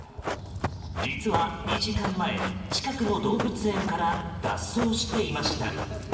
実は２時間前、近くの動物園から脱走していました。